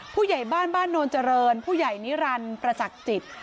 ผู้ใหญ่บ้านบ้านโนนเจริญผู้ใหญ่นิรันดิ์ประจักษ์จิต